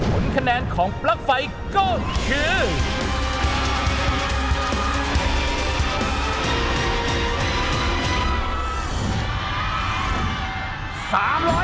ผลคะแนนของปลั๊กไฟก็คือ